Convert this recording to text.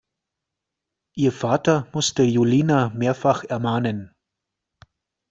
Ihr Vater musste Julina mehrfach ermahnen.